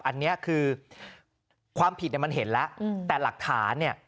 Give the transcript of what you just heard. อันนี้คือความผิดมันเห็นแล้วแต่หลักฐานเนี่ย